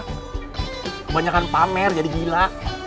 kebanyakan pamer jadi gila